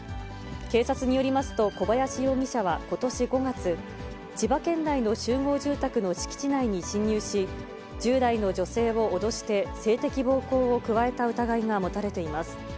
警察によりますと、小林容疑者はことし５月、千葉県内の集合住宅の敷地内に侵入し、１０代の女性を脅して性的暴行を加えた疑いが持たれています。